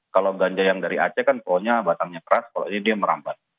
kalau ganja yang dari aceh kan pohonnya batangnya keras kalau ini dia merambat